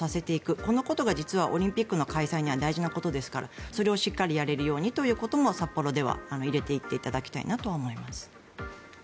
このことが実はオリンピックの開催には大事なことですからそれをしっかりやれるようにということも札幌では入れていっていただきたいなと思います。